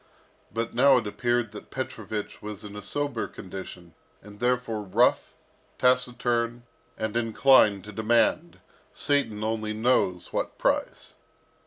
But now it appeared that Petrovich was in a sober condition, and therefore rough, taciturn, and inclined to demand, Satan only knows what price.